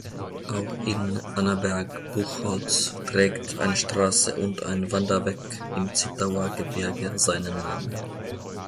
Auch in Annaberg-Buchholz trägt eine Straße und ein Wanderweg im Zittauer Gebirge seinen Namen.